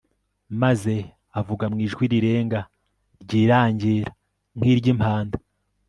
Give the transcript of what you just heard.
maze avuga mu ijwi rirenga ryirangira nkiryimpanda